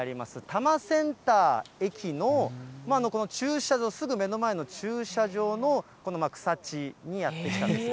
多摩センター駅のこの駐車場、すぐ目の前の駐車場の草地にやって来たんです。